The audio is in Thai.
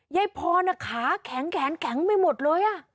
ยายพรขาแข็งแขนแข็งไปหมดเลย